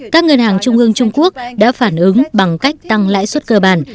các ngân hàng trung ương trung quốc đã phản ứng bằng cách tăng lãi suất cơ bản